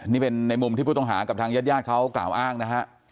นี่เป็นในมุมที่ผู้ต้องหากับทางญาติญาติเขากล่าวอ้างนะฮะ